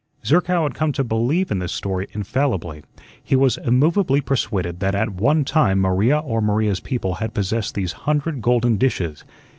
Zerkow had come to believe in this story infallibly. He was immovably persuaded that at one time Maria or Maria's people had possessed these hundred golden dishes.